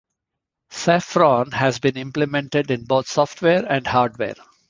Saffron has been implemented in both software and hardware.